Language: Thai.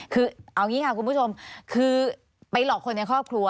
คือเอาอย่างนี้ค่ะคุณผู้ชมคือไปหลอกคนในครอบครัว